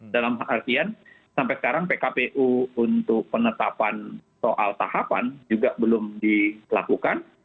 dalam artian sampai sekarang pkpu untuk penetapan soal tahapan juga belum dilakukan